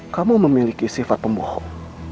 kamu memiliki sifat pembohong